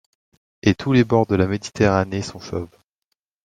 Et tous les bords de la Méditerranée sont chauves.